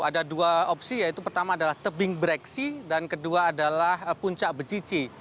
ada dua opsi yaitu pertama adalah tebing breksi dan kedua adalah puncak bejici